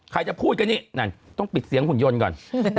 ใครจะพูดกันนี่นั่นต้องปิดเสียงหุ่นยนต์ก่อน